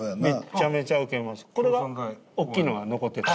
これは大きいのが残ってた。